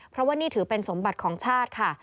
เพราะว่านี่ถือเป็นสมบัติของชาติค่ะ